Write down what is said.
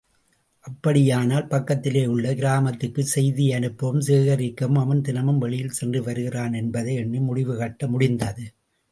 அப்படியானால், பக்கத்திலேயுள்ள கிராமத்துக்கு செய்தியனுப்பவும் சேகரிக்கவும் அவன் தினமும் வெளியில் சென்று வருகிறான் என்பதை எண்ணி முடிவுகட்ட முடிந்தது.